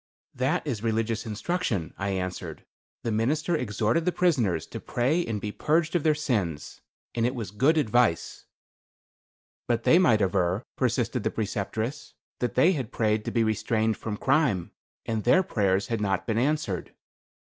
"That is religious instruction;" I answered. "The minister exhorted the prisoners to pray and be purged of their sins. And it was good advice." "But they might aver," persisted the Preceptress, "that they had prayed to be restrained from crime, and their prayers had not been answered."